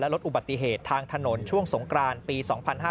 ลดอุบัติเหตุทางถนนช่วงสงกรานปี๒๕๕๙